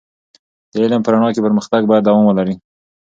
د علم په رڼا کې پر مختګ باید دوام ولري.